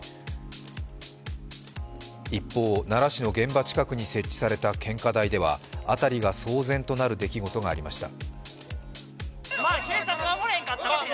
一方、奈良市の現場近くに設置された献花台では辺りが騒然となる出来事がありました。